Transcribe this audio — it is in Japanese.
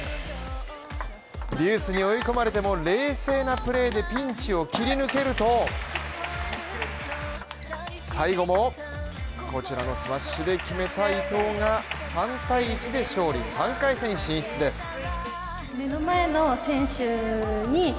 デュースに追い込まれても、冷静なプレーでピンチを切り抜けると最後もこちらのスマッシュで決めた伊藤が３−１で勝利、３回戦進出です。